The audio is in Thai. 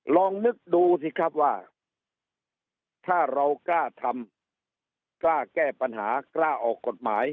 ลองนึกดูสิครับว่าถ้าเรากล้าทำกล้าแก้ปัญหากล้าออกกฎหมาย